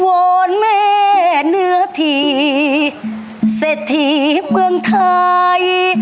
วอนแม่เนื้อทีเศรษฐีเมืองไทย